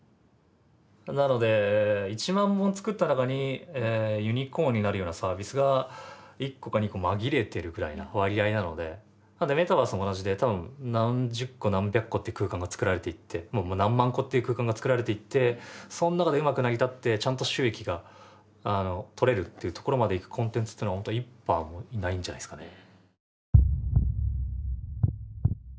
なので１万本作った中にユニコーンになるようなサービスが１個か２個紛れてるぐらいな割合なのでなのでメタバースも同じで多分何十個何百個っていう空間が作られていってもうもう何万個っていう空間が作られていってそん中でうまく成り立ってちゃんと収益がとれるというところまでいくコンテンツというのはほんと１パーもいないんじゃないですかね。